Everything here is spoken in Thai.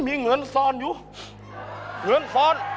เกิดอะไรขึ้น